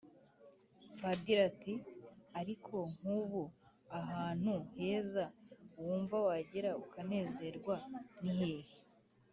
padir ati ariko nku’ubu ahantu heza wumva wagera ukanezerwa nihehe?